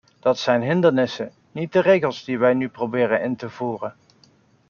Dat zijn hindernissen, niet de regels die we nu proberen in te voeren.